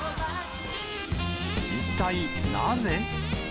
一体なぜ？